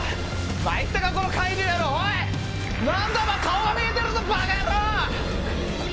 参ったか、この怪獣野郎！何だお前顔が見えてるぞ馬鹿野郎！